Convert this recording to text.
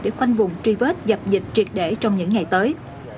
để khoanh vùng truy vết dập dịch triệt để trong những ngày tới